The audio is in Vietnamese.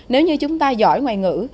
nếu như chúng ta giỏi ngoài ngữ